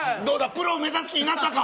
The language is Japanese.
プロを目指す気になったか？